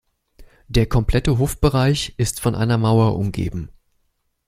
Der komplette Hofbereich ist von einer Mauer umgeben.